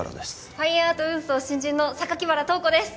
ファインアート運送新人の榊原透子です